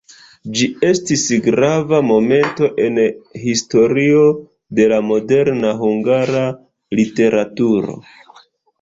Ĝi estis grava momento en historio de la moderna hungara literaturo.